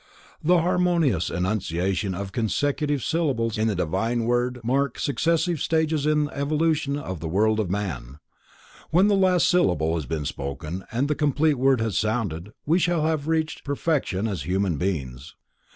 The harmonious enunciation of consecutive syllables in the Divine Creative Word mark successive stages in evolution of the world and man. When the last syllable has been spoken and the complete word has sounded, we shall have reached perfection as human beings.